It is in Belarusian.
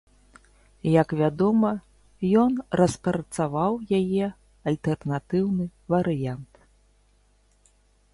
Як вядома, ён распрацаваў яе альтэрнатыўны варыянт.